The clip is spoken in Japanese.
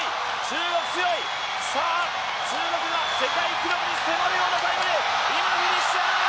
中国が世界記録に迫るようなタイムで今、フィニッシュ！